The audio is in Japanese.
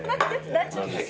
大丈夫です。